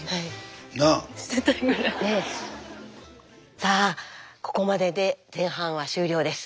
さあここまでで前半は終了です。